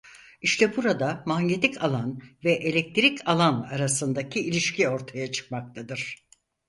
İşte burada manyetik alan ve elektrik alan arasındaki ilişki ortaya çıkmaktadır.